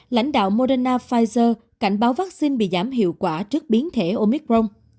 lãnh đạo moderna pfizer cảnh báo vắc xin bị giảm hiệu quả trước biến thể omicron